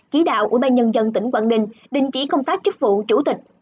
chỉ đạo ủy ban nhân dân tỉnh quảng ninh định chỉ công tác chức vụ chủ tịch